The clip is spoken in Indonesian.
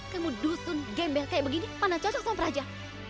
kamu dusun gembel kayak begini mana cocok sama praja